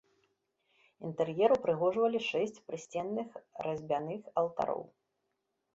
Інтэр'ер упрыгожвалі шэсць прысценных разьбяных алтароў.